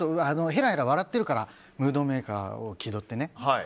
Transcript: へらへら笑ってるからムードメーカーを気取ってね。